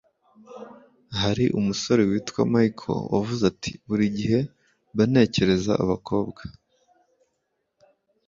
Hari umusore witwa michael wavuze ati buri gihe mba ntekereza abakobwa